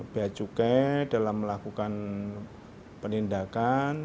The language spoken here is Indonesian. bia dan cukai dalam melakukan penindakan